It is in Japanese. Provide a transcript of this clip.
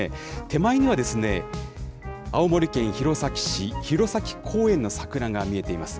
手前には、青森県弘前市、弘前公園の桜が見えています。